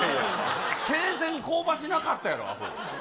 生前香ばしなかったやろ。あほ。